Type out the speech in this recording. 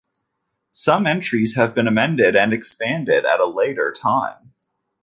Some entries have been amended and expanded at a later time.